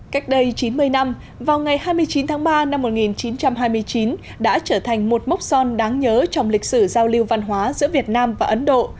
cách đây chín mươi năm vào ngày hai mươi chín tháng ba năm một nghìn chín trăm hai mươi chín đã trở thành một mốc son đáng nhớ trong lịch sử giao lưu văn hóa giữa việt nam và ấn độ